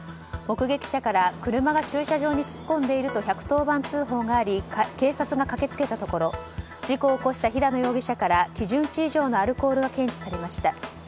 目撃者から車が駐車場に突っ込んでいると１１０番通報があり警察が駆けつけたところ事故を起こした平野容疑者から基準値以上のアルコールが検知されました。